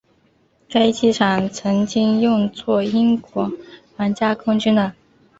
该机场曾经用作英国皇家空军的。